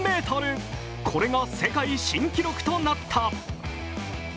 これが世界新記録となった。